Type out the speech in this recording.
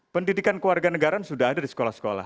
pendidikan keluarga negara sudah ada di sekolah sekolah